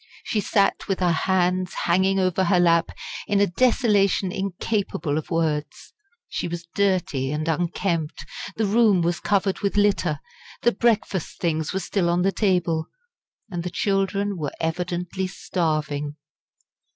She sat with her hands hanging over her lap in a desolation incapable of words. She was dirty and unkempt; the room was covered with litter; the breakfast things were still on the table; and the children were evidently starving.